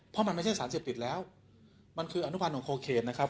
เพราะมันไม่ใช่สารเสพติดแล้วมันคืออนุพันธ์ของโคเคนนะครับ